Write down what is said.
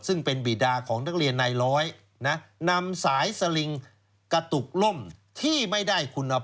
ซึ่งเป็นบีดาของนักเรียนนายร้อยนะนำสายสลิงกระตุกล่มที่ไม่ได้คุณ